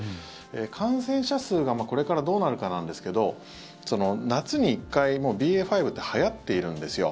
感染者数がこれからどうなるかなんですけど夏に１回、ＢＡ．５ってはやっているんですよ。